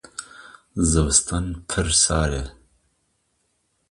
Zivistan pir sar e.